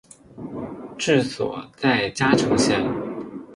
治所在嘉诚县。